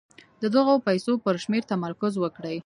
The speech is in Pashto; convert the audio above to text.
د دغو پيسو پر شمېر تمرکز وکړئ.